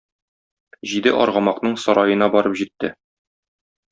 Җиде аргамакның сараена барып җитте.